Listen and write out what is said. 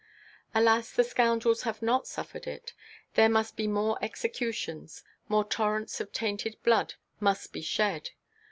Alas! the scoundrels have not suffered it. There must be more executions; more torrents of tainted blood must be shed.